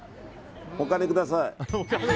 お金ください。